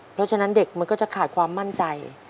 เพราะฉะนั้นเด็กมันก็จะขาดความมั่นใจ